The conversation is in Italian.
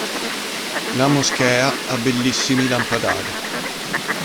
La moschea ha bellissimi lampadari.